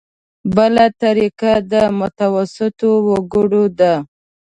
بله طریقه د متوسطو وګړو ده.